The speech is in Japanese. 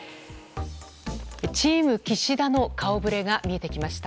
チーム岸田の顔ぶれが見えてきました。